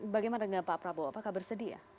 bagaimana dengan pak prabowo apakah bersedih ya